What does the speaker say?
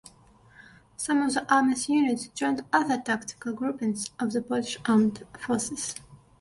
Some of the army's units joined other tactical groupings of the Polish armed forces.